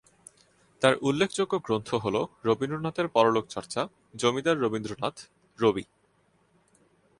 তার উল্লেখ যোগ্য গ্রন্থ হল রবীন্দ্রনাথের পরলোক চর্চা, জমিদার রবীন্দ্রনাথ, রবি।